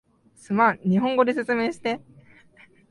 すまん、日本語で説明して